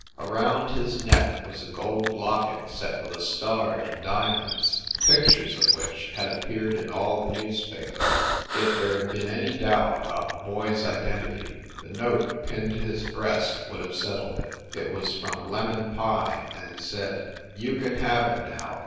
Around his neck was a gold locket set with a star in diamonds, pictures of which had appeared in all the newspapers. If there had been any doubt about the boy s identity, the note pinned to his breast would have settled it. It was from "Lemon" Pye and said : "You can have him, now.